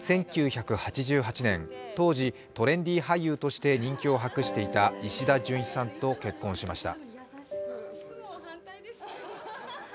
１９８８年、当時トレンディー俳優として人気を博していた石田純一さんと結婚しました。